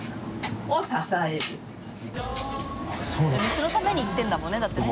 そのために行ってるんだもんねだってね。